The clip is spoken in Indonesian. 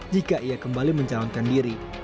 jika dia kembali menjalankan diri